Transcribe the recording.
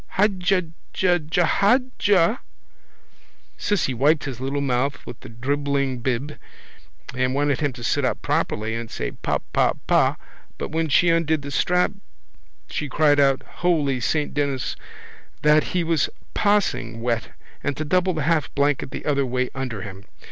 —Haja ja ja haja. Cissy wiped his little mouth with the dribbling bib and wanted him to sit up properly and say pa pa pa but when she undid the strap she cried out, holy saint Denis, that he was possing wet and to double the half blanket the other way under him.